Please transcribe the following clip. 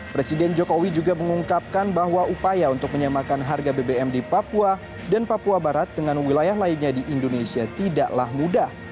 presiden jokowi juga mengungkapkan bahwa upaya untuk menyamakan harga bbm di papua dan papua barat dengan wilayah lainnya di indonesia tidaklah mudah